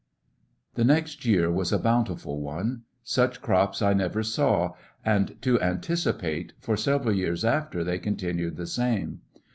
The next year was a bountiM one. Such His only crops I never saw, and, to anticipate, for sev eral years after they continued the same.